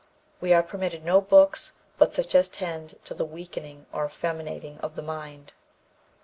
We are permitted no books but such as tend to the weakening or effeminating of the mind.